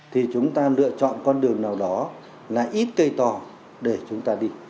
thì chúng ta lựa chọn con đường nào đó là ít cây to để chúng ta đi